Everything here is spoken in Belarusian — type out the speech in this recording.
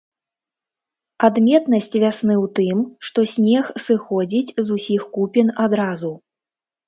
Адметнасць вясны ў тым, што снег сыходзіць з усіх купін адразу.